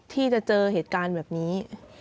ที่จะเจอเหตุการณ์แบบนี้